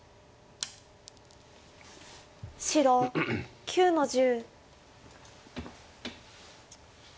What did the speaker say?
白９の十。